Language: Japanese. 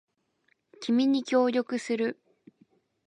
君に協力する